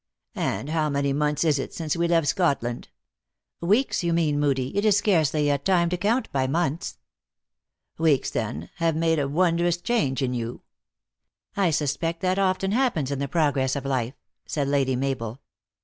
"And how many months is it since we left Scot land ?"" Weeks you mean, Moodie, it is scarcely yet time to count by months." " Weeks, then, have made a wondrous change in you." "I suspect that often happens in the progress of life," said Lady Mabel.